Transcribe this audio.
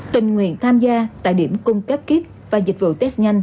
tình nguyện tham gia tại điểm cung cấp kit và dịch vụ test nhanh